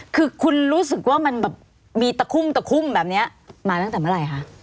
คือคุณรู้สึกว่ามันแบบมีตะคุ่มตะคุ่มแบบนี้มาตั้งแต่เมื่อไหร่คะ